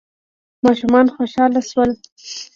ماشومان خوشحاله شول.